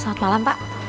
selamat malam pak